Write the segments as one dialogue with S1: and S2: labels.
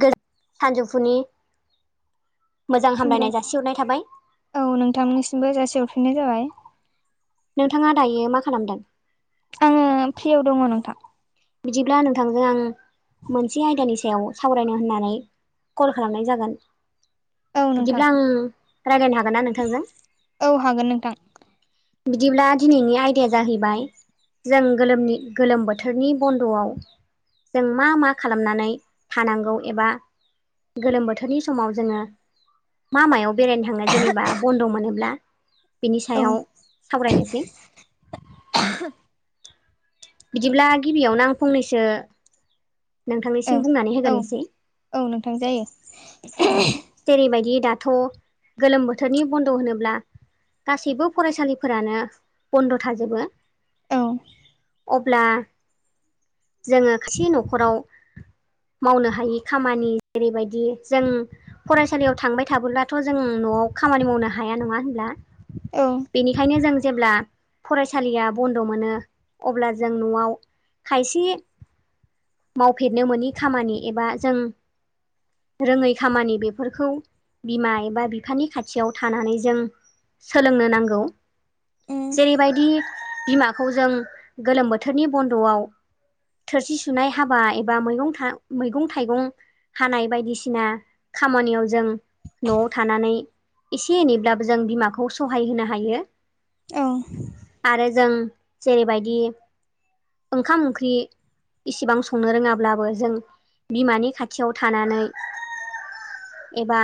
S1: गो सानजौफुनि मोजां
S2: हामलाय
S1: हामलायनाय जासिहरनाय थाबाय
S2: औ नोंथांनिसिमबो जासे हरफिननाय जाबाय
S1: नोंथाङा दायो मा खालामदों
S2: आङो फ्रियाव दङ नोंथां
S1: बिदिब्ला नोंथांजों आं मोनसे आयदानि सायाव सावरायनो होननानै कल खालामनाय जागोन
S2: औ नोंथां
S1: बिदिब्ला आं रायजायनो हागोन ना नोंथांजों
S2: औ हागोन नोंथां
S1: बिदिब्ला दिनैनि आयदाया जाहैबाय जों गोलोमनि गोलोम बोथोरनि बन्द'आव जों मा मा खालामनानै थानांगौ एबा गोलोम बोथोरनि समाव जोङो म मायाव बेरायनो थाङो जेनेबा। बन्द' मोनोब्ला बिनि
S2: औ
S1: सायाव सावरायनोसै। बिदिब्ला गिबियावनो आं फंनैसो
S2: औ
S1: नोंथांनिसिम बुंनानै
S2: औ
S1: होग्रोसै।
S2: औ नोंथां जायो। [unintelligible]
S1: जेरैबायदि दाथ' गोलोम बोथोरनि बन्द' होनोब्ला गासैबो फरायसालिफोरानो बन्द' थाजोबो।
S2: औ।
S1: अब्ला जोङो खायसे न'खराव मावनो हायि खामानि जेरैबायदि जों फरायसालियाव थांबाय थाबोब्लाथ' जों न'आव खामानि मावनो हाया नङा होनब्ला?
S2: औ
S1: बेनिखायनो जों जेब्ला फरायसालिया बन्द' मोनो अब्ला जों न'आव खायसे मावफेरनो मोनोनि खामानि एबा जों रोङै खामानि बे बेफोरखौ बिमा एबा बिफानि खाथियाव थानानै जों सोलोंनो नांगौ।
S2: उम
S1: जेरैबायदि बिमाखौ जों गोलोम बोथोरनि बन्द'आव थोरसि सुनाय हाबा एबा मैगं मैगं थाइगं हानाय बायदिसिना खामानियाव जों न'आव थानानै एसे एनैब्लाबो जों बिमाखौ सहाय होनो हायो।
S2: औ।
S1: आरो जों जेरैबायदि ओंखाम ओंख्रि इसिबां संनो रोङाब्लाबो जों बिमानि खाथियाव थानानै एबा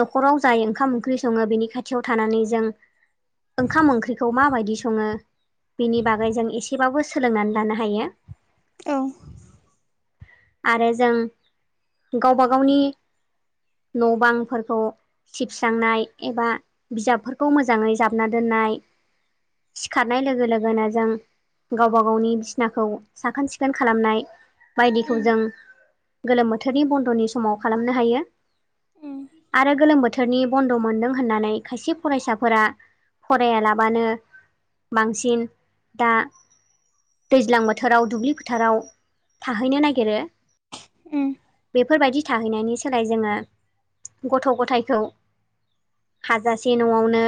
S1: न'खराव जाय ओंखाम ओंख्रि सङो बेनि खाथियाव थानानै जों ओंखाम ओंख्रिखौ माबायदि सङो? बिनि बागै जों एसेबाबो सोलोंनानै लानो हायो।
S2: औ।
S1: आरो जों गावबा गावनि न' बांफोरखौ सिबस्रांनाय एबा बिजाबफोरखौ मोजाङै जाबना दोननाय। सिखारनाय लोगो लोगोनो जों गावबा गावनि बिसिनाखौ साखोन सिखोन खालामनाय। बायदिखौ जों गोलोम बोथोरनि बन्द'नि समाव खालामनो हायो।
S2: उम
S1: आरो गोलोम बोथोरनि बन्द' मोनदों होननानै खायसे फरायसाफोरा फरायालाबानो बांसिन दा दैज्लां बोथोराव दुब्लि फोथाराव थाहैनो नागिरो।
S2: उ
S1: बेफोरबायदि थाहैनायनि सोलाय जोङो गथ' गथायखौ। हाजासे न'आवनो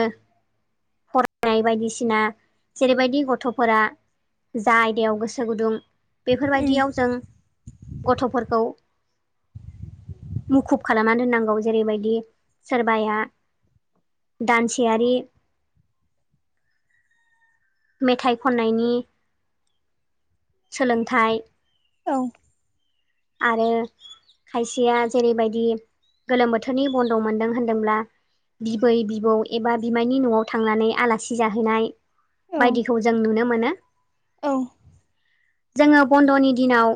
S1: फरायनाय बायदिसिना जेरैबायदि गथ'फोरा जा आयदायाव गोसो गुदुं
S2: उम
S1: बेफोरबायदियाव जों गथ'फोरखौ मुखुब खालामना दोननांगौ जेरैबायदि सोरबाया दानसेयारि मेथाइ खननायनि सोलोंथाइ
S2: औ।
S1: आरो खायसेया जेरैबायदि गोलोम बोथोरनि बन्द' मोन्दों होनदोंब्ला बिबै बिबौ एबा बिमायनि न'आव थांनानै आलासि जाहोनाय। बायदिखौ जों नुनो मोनो।
S2: औ।
S1: जोङो बन्द'नि दिनाव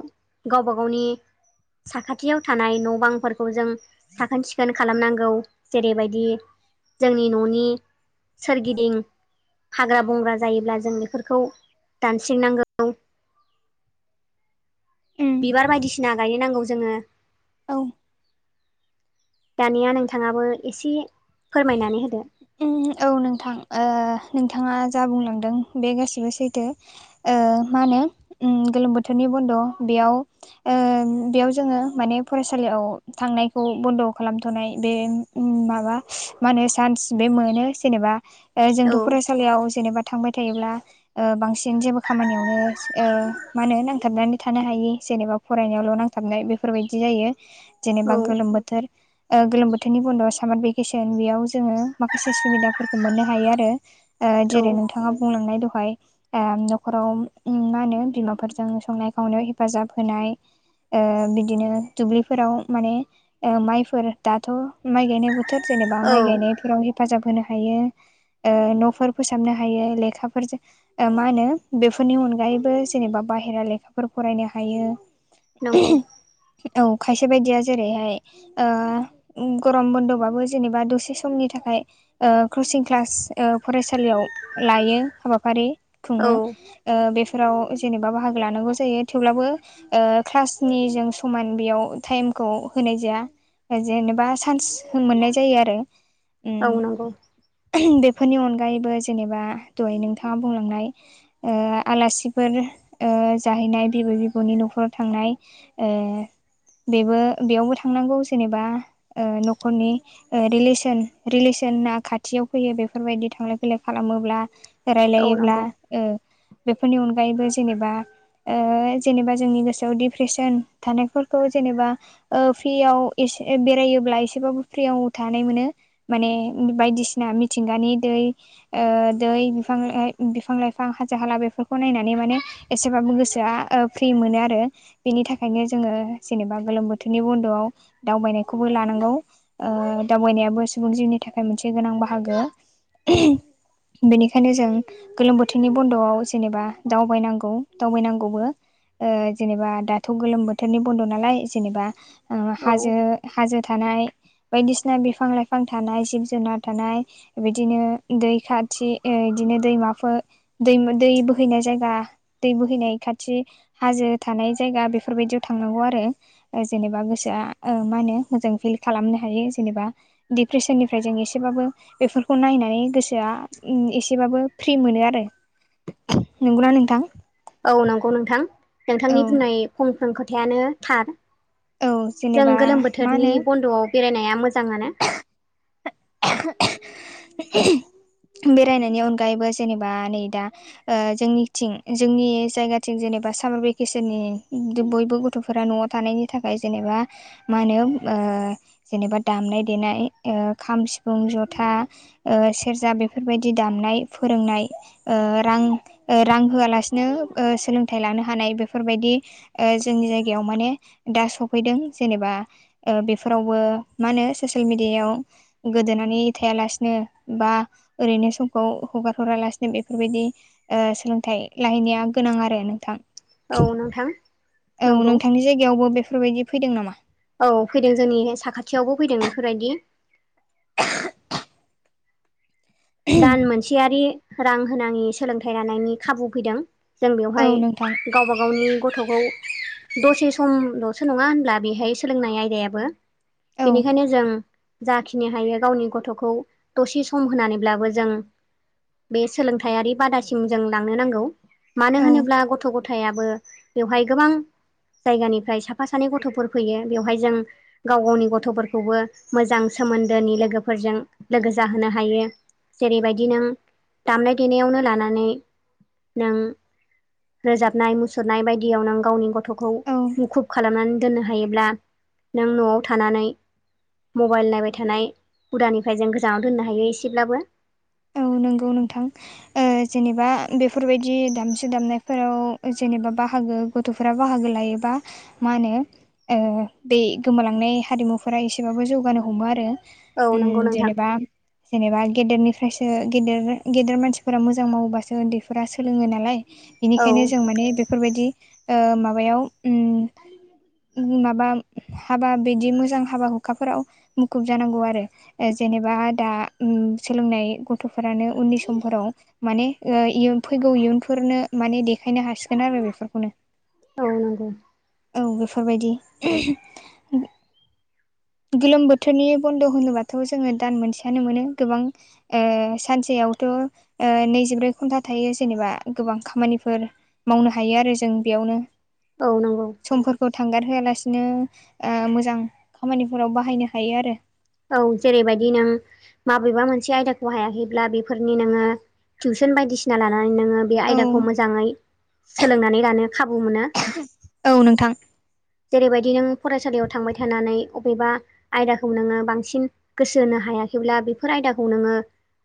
S1: गावबा-गावनि साखाथियाव थानाय न' बांफोरखौ जों साखोन सिखोन खालामनांगौ जेरैबायदि जोंनि न'नि सोरगिदिं हाग्रा बंग्रा जायोब्ला जों बेफोरखौ दानस्रिनांगौ।
S2: उम
S1: बिबार बायदिसिना गायनो नांगौ जोङो।
S2: औ।
S1: दानिया नोंथाङाबो एसे फोरमायनानै होदो।
S2: उम औ नोंथां ओ नोंथाङा जा बुंलांदों बे गासिबो सैथो। ओ मा होनो उम गोलोम बोथोरनि बन्द' बेयाव ओं बेयाव जोङो माने फरायसालियाव थांनायखौ बन्द' खालामथ'नाय बे उम माबा माहोनो चान्स बे मोनो जेनेबा ओ
S1: औ
S2: जोंथ' फरायसा लियाव जेनेबा थांबाय थायोब्ला ओ बांसिन जेबो खामानियावनो ओ मा होनो नांथाबनानै थानो हायि जेनेबा फरायनायावल' नांथाबनाय बेफोरबायदि जायो।
S1: औ
S2: जेनेबा गोलोम बोथोर ओ गोलोम बोथोरनि बन्द'आव सामार भेकेसन बेयाव जोङो माखासे सुबिदाफोरखौ मोननो हायो ओ आरो जेरै
S1: औ
S2: नोंथाङा बुंलांनाय दहाय ओ न'खराव मा होनो बिमाफोरजों संनाय खावनायाव हेफाजाब होनाय ओ बिदिनो दुब्लिफोराव माने ओ माइफोर दाथ' माइ गायनाय बो थोर जेनेबा माइ
S1: औ
S2: गायनायफोराव हेफाजाब होनो हायो। ओ न'फोर फोसाबनो हायो लेखाफोरजों ओ मा होनो बेफोरनि अनगायैबो जेनेबा बाहेरा लेखाफोर फरायनो हायो।
S1: नंगौ।
S2: औ खायसे बायदिया जेरैहाय ओ ग'रम बन्द'बाबो जेनेबा दसे समनि थाखाय ओ कचिं क्लास ओ फरायसालियाव लायो हाबाफारि
S1: औ
S2: खुङो। ओ बेफोराव जेनेबा बाहागो लानांगौ जायो। थेवब्लाबो ओ क्लासनिजों समान बेयाव टाइमखौ होनाय जाया। ओ जेनेबा चान्स मोननाय जायो आरो।
S1: औ
S2: उम
S1: नंगौ।
S2: बेफोरनि अनगायैबो जेनेबा दहाय नोंथाङा बुंलांनाय ओ आलासिफोर ओ जाहैनाय बिबै बिबौनि न'खराव थांनाय ओ बेबो बेयावबो थांनांगौ जेनेबा ओ न'खरनि ओ रिलेसन रिलेसना खाथियाव फैयो बेफोरबायदि थांलाय फैलाय खालामोब्ला,
S1: औ
S2: रायलायोब्ला।
S1: नंगौ
S2: ओ बेफोरनि अनगायैबो जेनेबा ओ जेनेबा जोंनि गोसोआव डिप्रेसन थानायफोरखौ जेनेबा ओ फ्रियाव एसे बेरायोब्ला एसेबाबो फ्रियाव थानो मोनो। माने बायदिसिना मिथिंगानि दै ओ दै बिफां ओइ बिफां लाइफां, हाजो हाला बेफोरखौ नायनानै माने एसेबाबो गोसोआ ओ फ्रि मोनो आरो। बेनि थाखायनो जोङो जेनेबा गोलोम बोथोरनि बन्द'आव दावबायनायखौबो लानांगौ। ओ दावबायनायाबो सुबुं जिउनि थाखाय मोनसे गोनां बाहागो। बेनिखायनो जों गोलोम बोथोरनि बन्द'आव जेनेबा दावबायनांगौ, दावबायनांगौबो। ओ जेनेबा दाथ' गोलोम बोथोरनि बन्द' नालाय जेनेबा ओम
S1: औ
S2: हाजो हाजो थानाय, बायदिसिना बिफां लाइफां थानाय जिब जुनार थानाय, बिदिनो दै खाथि, ओ बिदिनो दैमाफोर दैमु दै बोहैनाय जायगा दै बोहैनाय खाथि हाजो थानाय जायगा बेफोरबायदियाव थांनांगौ आरो। ओ जेनेबा गोसोआ ओ मा होनो मोजां फिल खालामनो हायो जेनेबा डिप्रेसननि फ्राय जों एसेबाबो बेफोरखौ नायनानै गोसोआ एसेबाबो फ्रि मोनो आरो। नंगौना नोंथां?
S1: औ नंगौ नोंथां
S2: औ
S1: नोंथांनि बुंनाय फंफ्रोम खोथायानो थार।
S2: औ
S1: जों
S2: जेनेबा
S1: गोलोम
S2: मा
S1: बोथोरनि
S2: होनो
S1: बन्द'आव बेरायनाया मोजांनो।
S2: [inaudible] बेरायनायनि अनगायैबो जेनेबा नै दा जोंनिथिं जोंनि जायगाथिं जेनेबा सामार भेकेसननि बयबो गथ' फोर न'आव थानायनि थाखाय जेनेबा मानो ओ जेनेबा दामनाय देनाय ओ खाम सिफुं जथा ओ सेरजा बेफोरबायदि दामनाय फोरोंनाय ओ रां ओ रां होआलासिनो ओ सोलोंथाइ लानो हानाय बेफोरबायदि ओ जोंनि जायगायाव माने दा सफैदों जेनेबा ओ बेफोरावबो मा होनो ससियेल मिडियायाव गोदोनानै थायालासिनो बा ओरैनो समखौ हगारहरालासिनो बेफोरबायदि ओ सोलोंथाइ लाहैनाया गोनां आरो नोंथां।
S1: औ नोंथां
S2: औ
S1: नंगौ
S2: नोंथांनि जायगायावबो बेफोरबायदि फैदों नामा?
S1: औ फैदों जोंनि साखाथियावबो फैदों बेफोरबायदि दान मोनसेयारि रां होनाङि सोलोंथाइ लानायनि खाबु फैदों। जों
S2: औ
S1: बेवहाय
S2: नोंथां
S1: गाव बा गावनि गथ'खौ दसे समल'सो नङा होनब्ला बेहाय सोलोंनाय आयदायाबो
S2: औ
S1: बेनिखायनो जों जाखिनि हायो गावनि गथ'खौ दसे सम होनानै ब्लाबो जों बे सोलोंथायाइारि बादासिम जों लांनो नांगौ। मानो
S2: औ
S1: होनोब्ला गथ' गथायाबो बेवहाय गोबां जायगानिफ्राय साफा सानै गथ'फोर फैयो बेवहाय जों गाव गावनि गथ'फोरखौबो मोजां सोमोन्दोनि लोगोफोरजों लोगो जाहोनो हायो। जेरैबायदि नों दामनाय देनायावनो लानानै नों रोजाबनाय मुसुरनाय बायदियाव नों गावनि गथ'खौ
S2: औ
S1: मुखुब खालामनानै दोननो हायोब्ला नों न'आव थानानै मबाइल नायबाय थानाय हुदानिफ्राय जों गोजानाव दोननो हायो एसेब्लाबो।
S2: औ नंगौ नोंथां। ओ जेनेबा बेफोरबायदि दामसु दामनायफोराव जेनेबा बाहागो गथ'फोरा बाहागो लायोबा मा होनो ओ बे गोमालांनाय हारिमुफोरा एसेबाबो जौगानो हमो आरो।
S1: औ
S2: ओम
S1: नंगौ नोंथां
S2: जेनेबा जेनेबा गेदेरनि फ्रफ्रायसो गेद गेदेर मानसिफोरा मोजां मावोबासो उन्दैफोरा सोलोङो नालाय
S1: औ
S2: बिनिखायनो जों माने बेफोरबायदि ओ माबायाव ओम ओम माबा हाबा बिदि मोजां हाबा हुखाफोराव मुखुब जानांगौ आरो ओ जेनेबा दा ओम सोलोंनाय गथ'फोरानो उननि समफोराव माने ओ इयुन फैगौ इयुनफोरनो माने देखायनो हासिगोन आरो बेफोरखौनो।
S1: औ नांगौ।
S2: औ बेफोरबायदि [inaudible] गोलोम बोथोरनि बन्द' होनोबाथ' जोङो दान मोनसेयानो मोनो गोबां ओ सानसेयावथ' ओ नैजिब्रै घन्टा थायो जेनेबा गोबां खामानिफोर मावनो हायो आरो जों बेयावनो।
S1: औ नंगौ।
S2: समफोरखौ थांगार होआलासिनो ओ मोजां खामानिफोराव बाहायनो हायो आरो।
S1: औ जेरैबायदि नों माबेबा मोनसे आयदाखौ हायाखैब्ला बेफोरनि नोङो टिउसन बायदिसि ना लानानै नोङो बे
S2: औ
S1: आयदाखौ मोजाङै सोलोंनानै लानो खाबु मोनो।
S2: औ नोंथां
S1: जेरैबायदि नों फरायसालियाव थांबाय थानानै अबेबा आयदाखौ नोङो बांसिन गोसो होनो हायाखैब्ला बेफोर आयदाखौ नोङो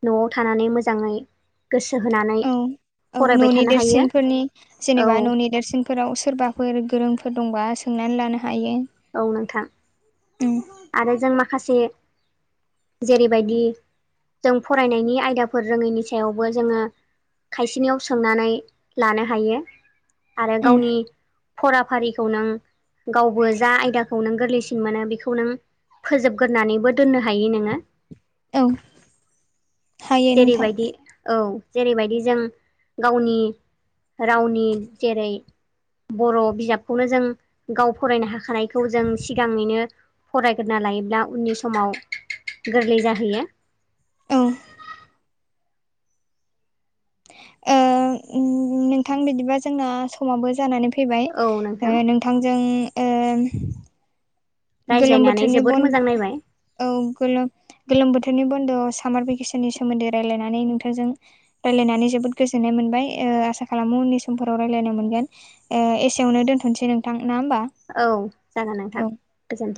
S1: न'आव थानानै मोजांङै गोसो होनानै
S2: औ औ न'नि
S1: थानो हायो
S2: देरसिनफोरनि
S1: औ
S2: जेनेबा न'नि देरसिन फोराव सोरबाफोर गोरोंफोर दंबा सोंनानै लानो हायो
S1: औ नोंथां
S2: उम
S1: आरो जों माखासे जेरैबायदि जों फरायनायनि आयदाफोर रोङैनि सायावबो जोङो खायसेनियाव सोंनानै लानो हायो आरो
S2: उम
S1: गावनि फराफारिखौ नों गावबो जा आयदाखौ नों गोरलैसिन मोनो बेखौ नों फोजोबग्रोनानैबो दोननो हायो नोङो
S2: औ हायो नोंथां
S1: जेरैबायदि औ जेरैबायदि जों गावनि रावनि जेरै बर' बिजाबखौनो जों गाव फरायनो हाग खानायखौ जों सिगाङैनो फरायग्रोना लायोब्ला उननि समाव गोरलै जाहैयो
S2: औ नोंथां बिदिबा जोंना समाबो जानानै फैबाय
S1: औ नोंथां
S2: बिथांांजों गोलोम
S1: रायज्लायनानै
S2: बोथोरनि
S1: जोबोद
S2: बन
S1: मोजां नायबाय
S2: औ गोलोम गोलोम बोथोरनि बन्द'आव सामार भेकेसननि सोमोन्दै रायजलायनानै नोंथांजों रायलायनानै जोबोद गोजोननाय मोनबाय आसा खालामो उननि समफोराव रायजलायनाय मोनगोन एसेयावनो दोनथ'नोसै नोंथां ना होमबा
S1: औ जागोन नोंथां
S2: औ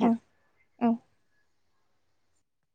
S2: औ औ